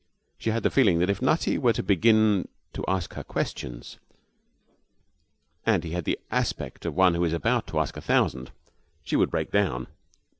She had the feeling that if Nutty were to begin to ask her questions and he had the aspect of one who is about to ask a thousand she would break down.